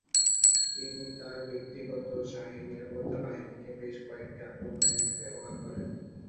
তিনি তার ব্যক্তিগত শাহী নিরাপত্তা বাহিনীকে বেশ কয়েকটি আক্রমণে ব্যবহার করেন।